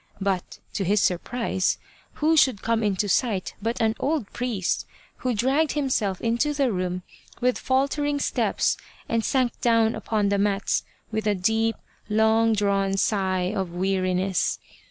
But, to his surprise, who should come into sight but an old priest, who dragged himself into the room with faltering steps and sank down upon the mats with a deep long drawn sigh of weariness.